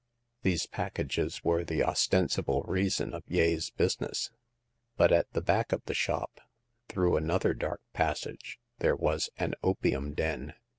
These packages were the ostensible reason of Yeh's business ; but at the back of the shop, through another dark pas sage, there was an opium den.